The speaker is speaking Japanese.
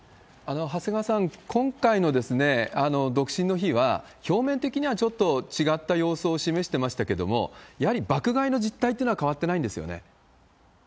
長谷川さん、今回の独身の日は、表面的にはちょっと違った様相を示していましたけれども、やはり爆買いの実態っていうのは変わってないんですよね？